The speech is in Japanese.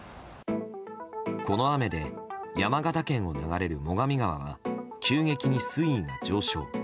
この雨で山形県を流れる最上川は急激に水位が上昇。